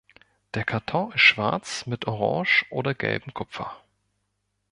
Der Karton ist schwarz mit orange oder gelbem Kupfer.